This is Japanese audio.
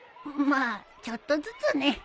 まあちょっとずつね。